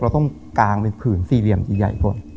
เราต้องกางเป็นผื่นสี่เหลี่ยมสี่ใหญ่ก่อน